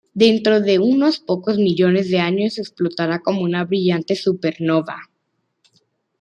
Dentro de unos pocos millones de años, explotará como una brillante supernova.